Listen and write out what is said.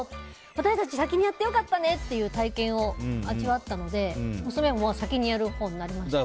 私たち先にやってよかったねという体験を味わったので娘も先にやるほうになりました。